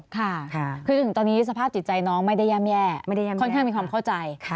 ค่ะคือถึงตอนนี้สภาพจิตใจน้องไม่ได้ย่ำแย่ค่อนข้างมีความเข้าใจ